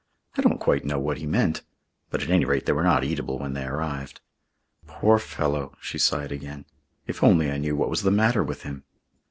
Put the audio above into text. I don't quite know what he meant but at any rate they were not eatable when they arrived. Poor fellow!" She sighed again. "If only I knew what was the matter with him."